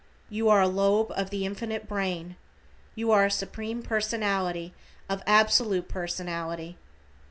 You are a lobe of the Infinite Brain. You are a Supreme Personality of Absolute Personality.